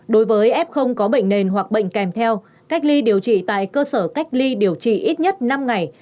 đối với f có bệnh nền hoặc bệnh kèm theo cách ly điều trị tại cơ sở cách ly điều trị ít nhất năm ngày